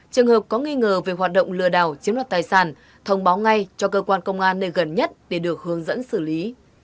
trường hợp có nghi ngờ về hoạt động lừa đảo chiếm đoạt tài sản thông báo ngay cho cơ quan công an nơi gần nhất để được hướng dẫn xử lý